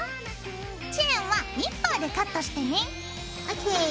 チェーンはニッパーでカットしてねＯＫ。